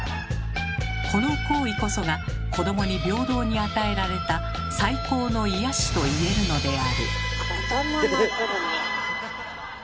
この行為こそが子どもに平等に与えられた最高の癒やしと言えるのである。